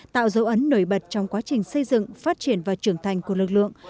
tạo dấu ấn nổi bật trong quá trình xây dựng phát triển và trưởng thành của lực lượng